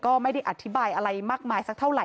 ก็ไม่ได้อธิบายอะไรมากมายสักเท่าไห